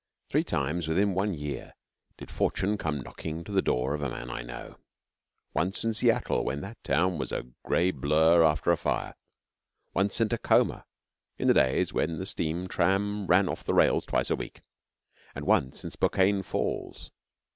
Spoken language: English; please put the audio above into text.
Three times within one year did fortune come knocking to the door of a man I know. Once at Seattle, when that town was a gray blur after a fire; once at Tacoma, in the days when the steam tram ran off the rails twice a week; and once at Spokane Falls.